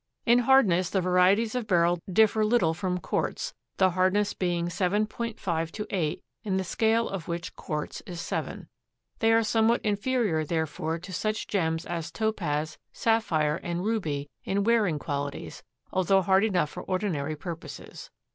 In hardness the varieties of Beryl differ little from quartz, the hardness being 7.5 to 8 in the scale of which quartz is 7. They are somewhat inferior therefore to such gems as topaz, sapphire and ruby in wearing qualities, although hard enough for ordinary purposes.